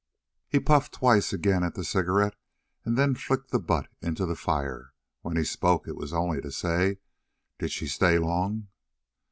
He puffed twice again at the cigarette and then flicked the butt into the fire. When he spoke it was only to say: "Did she stay long?"